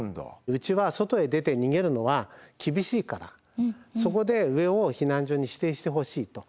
うちは外へ出て逃げるのは厳しいからそこで上を避難所に指定してほしいと。